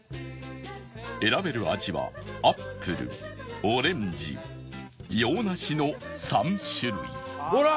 選べる味はアップルオレンジ洋梨の３種類ほら！